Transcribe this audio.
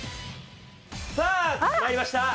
さあ始まりました！